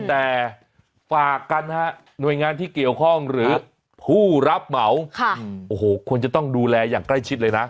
แต่ฝากกันฮะหน่วยงานที่เกี่ยวข้องหรือผู้รับเหมาโอ้โหควรจะต้องดูแลอย่างใกล้ชิดเลยนะ